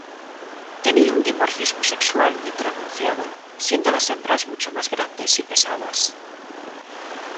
Tenía un dimorfismo sexual muy pronunciado, siendo las hembras mucho más grandes y pesadas.